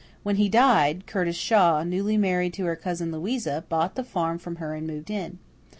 When he died, Curtis Shaw, newly married to her cousin Louisa, bought the farm from her and moved in.